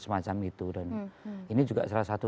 semacam itu dan ini juga salah satu